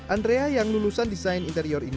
andrea yang lulusan desain interior ini